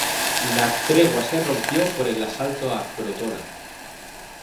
La tregua se rompió por el asalto a Crotona.